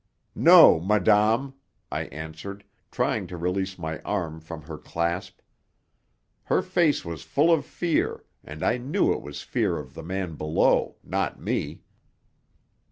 "No, madame," I answered, trying to release my arm from her clasp. Her face was full of fear, and I knew it was fear of the man below, not me.